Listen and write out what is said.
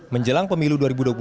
menjelang pemilu dua ribu dua puluh